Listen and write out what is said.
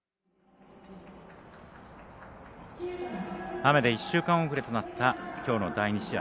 雨で１週間遅れとなったきょうの第２試合。